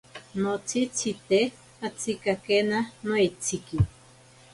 Notsitsite atsikakena noeitsiki.